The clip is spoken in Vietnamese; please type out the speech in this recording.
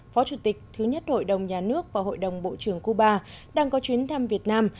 phó chủ tịch thứ nhất hội đồng nhà nước và hội đồng bộ trưởng cuba đang có chuyến thăm việt nam